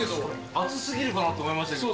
熱過ぎるかなと思いましたけど。